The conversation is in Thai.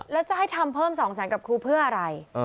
แล้วจะให้ทำเพิ่ม๒แสนกับครูเพื่ออะไร